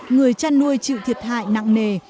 người chăn nuôi chịu thiệt hại nặng nề